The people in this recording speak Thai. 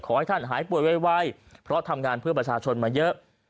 ขอให้ท่านหายป่วยไวเพราะทำงานเพื่อประชาชนมาเยอะ